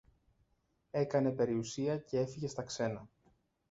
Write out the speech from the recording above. έκανε περιουσία κι έφυγε στα ξένα